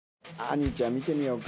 にーちゃん見てみようか。